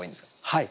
はい。